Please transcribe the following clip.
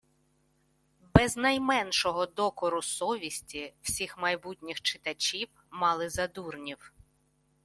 Без найменшого докору совісті всіх майбутніх читачів мали за дурнів